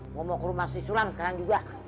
ngomong ke rumah si sulam sekarang juga